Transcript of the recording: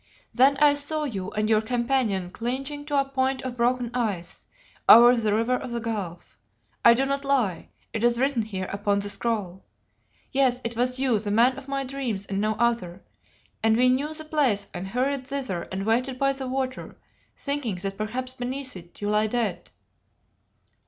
Then I saw you and your companion clinging to a point of broken ice, over the river of the gulf. I do not lie; it is written here upon the scroll. Yes, it was you, the man of my dreams, and no other, and we knew the place and hurried thither and waited by the water, thinking that perhaps beneath it you lay dead.